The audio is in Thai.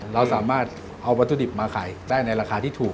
เราสามารถเอามาขายได้ในราคาที่ถูก